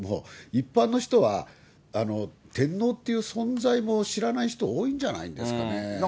一般の人は、天皇っていう存在も知らない人、多いんじゃないですかね。